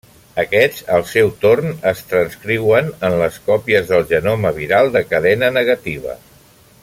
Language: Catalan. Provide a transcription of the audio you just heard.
Aquests al seu torn es transcriuen en les còpies del genoma viral de cadena negativa.